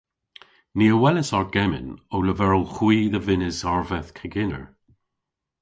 Ni a welas argemmyn ow leverel hwi dhe vynnes arveth keginer.